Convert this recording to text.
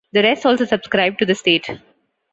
The rest also subscribed to "The State".